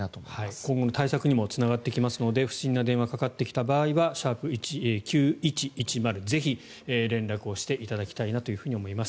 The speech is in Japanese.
今後の対策にもつながっていきますので不審な電話がかかってきた場合は「＃９１１０」にぜひ、連絡をしていただきたいなと思います。